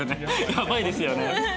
やばいですよね。